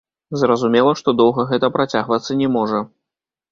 Зразумела, што доўга гэта працягвацца не можа.